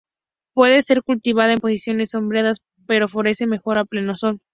Puede ser cultivada en posiciones sombreadas, pero florece mejor a pleno sol.